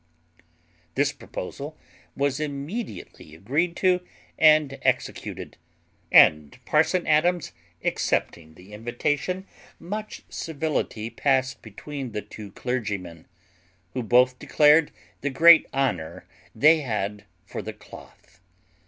This proposal was immediately agreed to and executed; and parson Adams accepting the invitation, much civility passed between the two clergymen, who both declared the great honour they had for the cloth.